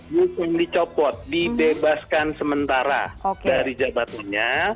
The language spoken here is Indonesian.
bukan dicopot dibebaskan sementara dari jabatannya